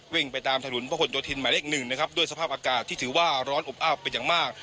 ไปตามถนนพระหลโยธินหมายเลขหนึ่งนะครับด้วยสภาพอากาศที่ถือว่าร้อนอบอ้าวเป็นอย่างมาก